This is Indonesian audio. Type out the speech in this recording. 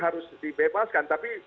harus dibebaskan tapi